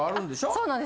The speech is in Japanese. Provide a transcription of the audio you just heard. そうなんです。